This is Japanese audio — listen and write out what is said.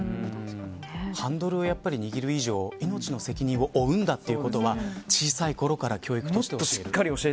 ハンドルを握る以上、命の責任を負うんだということは小さいころから教育として教える。